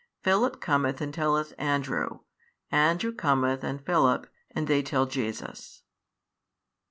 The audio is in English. Philip cometh and telleth Andrew: Andrew cometh and Philip, and they tell Jesus.